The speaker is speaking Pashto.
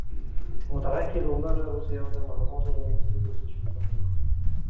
په مطالعه کې دوامداره اوسئ او د معلوماتو له مختلفو سرچینو ګټه واخلئ.